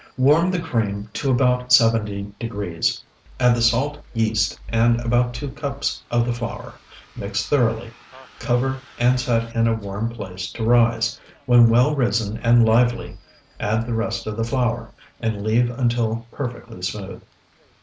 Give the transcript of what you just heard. Warm the cream to about seventy degrees, add the salt, yeast, and about two cups of the flour. Mix thoroughly, cover, and set in a warm place to rise. When well risen and lively, add the rest of the flour, and leave until perfectly smooth.